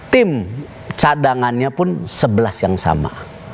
tim cadangannya pun sebelas yang sama